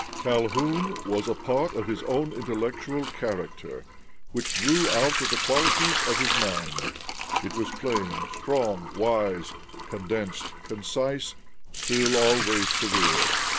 "Calhoun was a part of his own intellectual character, which grew out of the qualities of his mind. It was plain, strong, wise, condensed, concise, still always severe.